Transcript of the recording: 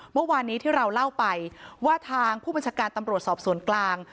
เมื่อวานนี้ที่เราเล่าไปว่าทางผู้บัญชาการตำรวจสอบสวนกลาง